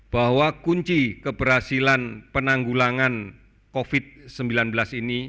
bahwa kunci keberhasilan penanggulangan covid sembilan belas ini